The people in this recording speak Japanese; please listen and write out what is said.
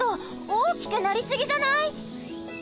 おおきくなりすぎじゃない？